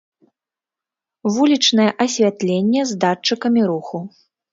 Вулічнае асвятленне з датчыкамі руху.